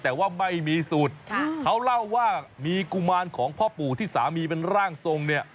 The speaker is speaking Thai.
แต่ว่าไม่มีสูตรเขาเล่าว่ามีกุมารของพ่อปู่ที่สามีเป็นร่างทรงเนี่ย